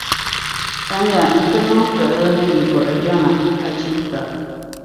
Chamiya n-ti niŋ suɣulo ni yi buɣajɛma, achiika!